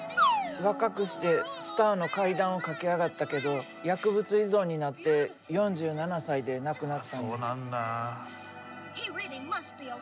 若くしてスターの階段を駆け上がったけど薬物依存になって４７歳で亡くなったんや。